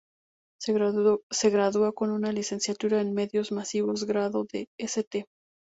Se graduó con una licenciatura en Medios Masivos grado de St.